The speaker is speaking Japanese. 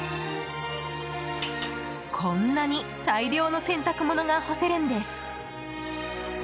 こんなに大量の洗濯物が干せるんです。